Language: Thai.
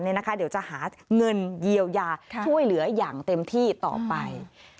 เดี๋ยวจะหาเงินเยียวยาช่วยเหลืออย่างเต็มที่ต่อไป